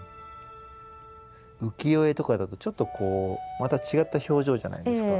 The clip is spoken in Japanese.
浮世絵とかだとちょっとこうまた違った表情じゃないですか。